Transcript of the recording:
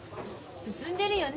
進んでるよね。